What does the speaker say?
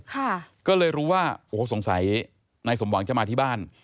ก็เลยรู้ว่าโอ้โหสงสัยนายสมหวังจะมาที่บ้าน